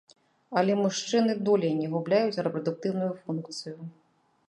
Але мужчыны долей не губляюць рэпрадуктыўную функцыю.